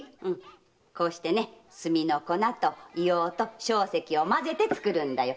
炭の粉と硫黄と硝石を混ぜて作るんだよ。